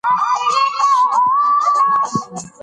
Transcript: که سړي پیسې لرلای نو مېرمنې ته به یې کباب اخیستی و.